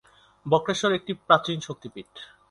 বক্রেশ্বর একটি প্রাচীন শক্তিপীঠ।